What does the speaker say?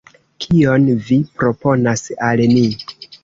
Kion vi proponas al ni!